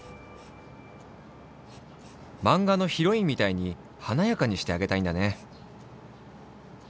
まんがのヒロインみたいにはなやかにしてあげたいんだね。